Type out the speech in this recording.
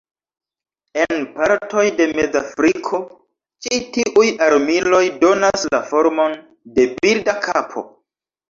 En partoj de Mezafriko ĉi tiuj armiloj donas la formon de birda kapo.